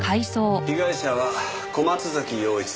被害者は小松崎洋一さん。